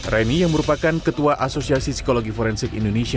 rani yang merupakan ketua asosiasi psikologi forensik indonesia